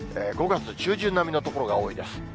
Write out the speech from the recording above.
５月中旬並みの所が多いです。